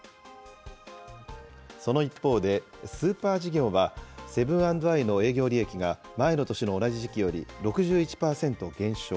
その一方で、スーパー事業は、セブン＆アイの営業利益が前の年の同じ時期より６１パーセント減少。